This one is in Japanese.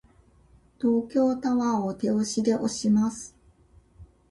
東京タワーを手押しで押します。